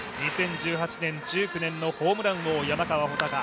２０１８年、１９年のホームラン王、山川穂高。